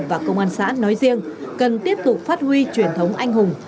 và công an xã nói riêng cần tiếp tục phát huy truyền thống anh hùng